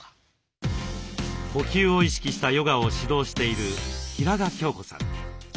呼吸を意識したヨガを指導している平賀きょう子さん。